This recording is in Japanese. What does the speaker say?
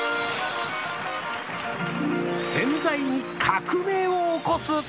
洗剤に革命を起こす！？